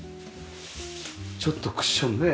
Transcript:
ちょっとクッションをね